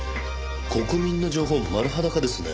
国民の情報丸裸ですね。